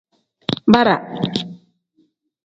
Bara.